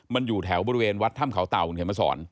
มันอยู่แถวบริเวณวัดถ้ำเขาเตาภูมิเคราะห์พระสอน